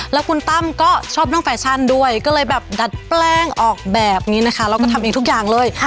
แล้วคุณตั้มก็ชอบนั่งแฟชั่นด้วยก็เลยแบบดัดแป้งออกแบบนี้นะคะแล้วก็ทำเองทุกอย่างเลย